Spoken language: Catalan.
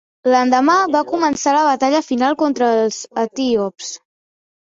L'endemà va començar la batalla final contra els etíops.